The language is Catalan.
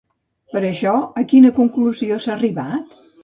Per això, a quina conclusió s'ha arribat?